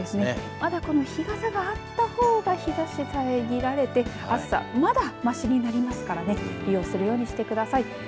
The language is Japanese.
まだ日傘があったほうが日ざし遮られて暑さ、まだましになりますからね利用するようにしてください。